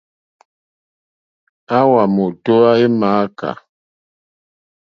Àwà mòtówá é !mááká.